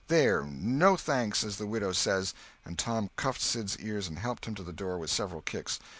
There—no thanks, as the widow says"—and Tom cuffed Sid's ears and helped him to the door with several kicks.